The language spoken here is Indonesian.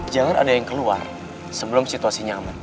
jangan ada yang keluar sebelum situasinya aman